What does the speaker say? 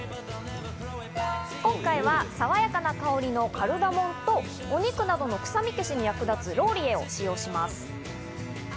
今回はさわやかな香りのカルダモンと、お肉などの臭み消しに役立つローリエを使用します。